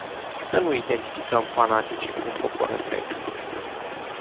Să nu identificăm fanaticii cu un popor întreg.